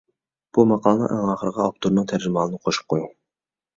بۇ ماقالىنىڭ ئەڭ ئاخىرىغا ئاپتورنىڭ تەرجىمىھالىنى قوشۇپ قويۇڭ.